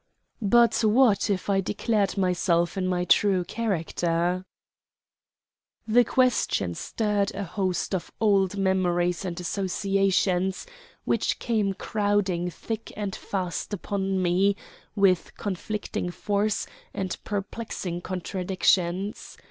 But what if I declared myself in my true character? The question stirred a host of old memories and associations which came crowding thick and fast upon me with conflicting force and perplexing contradictions.